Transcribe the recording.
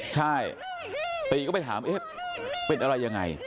ใช่ตีก็ไปถามเป็นอะไรอย่างไร